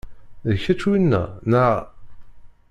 D kečč winna, neɣ?